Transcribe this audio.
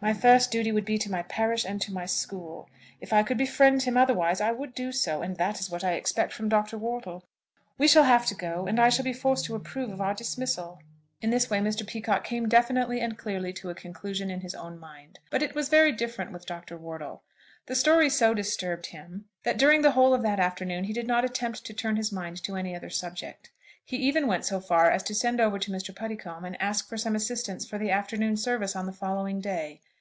My first duty would be to my parish and to my school. If I could befriend him otherwise I would do so; and that is what I expect from Dr. Wortle. We shall have to go, and I shall be forced to approve of our dismissal." In this way Mr. Peacocke came definitely and clearly to a conclusion in his own mind. But it was very different with Dr. Wortle. The story so disturbed him, that during the whole of that afternoon he did not attempt to turn his mind to any other subject. He even went so far as to send over to Mr. Puddicombe and asked for some assistance for the afternoon service on the following day.